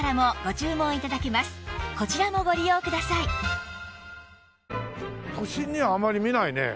また都心にはあまり見ないね。